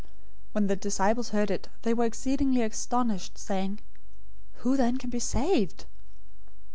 019:025 When the disciples heard it, they were exceedingly astonished, saying, "Who then can be saved?"